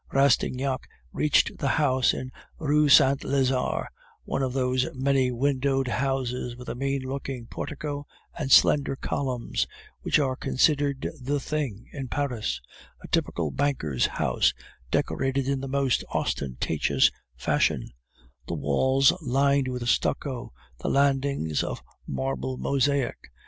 Rastignac reached the house in the Rue Saint Lazare, one of those many windowed houses with a mean looking portico and slender columns, which are considered the thing in Paris, a typical banker's house, decorated in the most ostentatious fashion; the walls lined with stucco, the landings of marble mosaic.